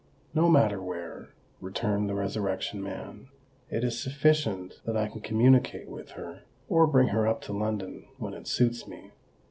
"No matter where," returned the Resurrection Man; "it is sufficient that I can communicate with her, or bring her up to London, when it suits me.